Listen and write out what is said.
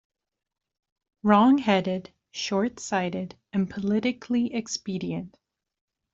Wrongheaded, shortsighted, and politically expedient.